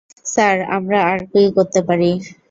Sir, আমরা আর কি করতে পারি?